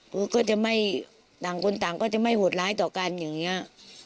คือก็จะไม่ต่างคนต่างก็จะไม่โหดร้ายต่อกันอย่างนี้